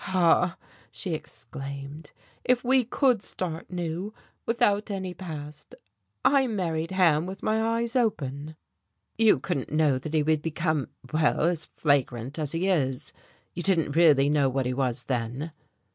"Ah," she exclaimed, "if we could start new, without any past. I married Ham with my eyes open." "You couldn't know that he would become well, as flagrant as he is. You didn't really know what he was then."